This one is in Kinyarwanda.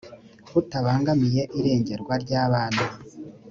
butabangamiye irengerwa ry abana